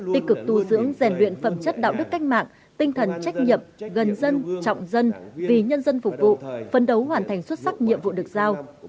tích cực tu dưỡng rèn luyện phẩm chất đạo đức cách mạng tinh thần trách nhiệm gần dân trọng dân vì nhân dân phục vụ phân đấu hoàn thành xuất sắc nhiệm vụ được giao